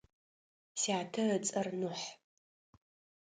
Сятэ ыцӏэр Нухь.